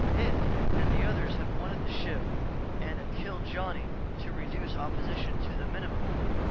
It and the others had wanted the ship and had killed Johnny to reduce opposition to the minimum.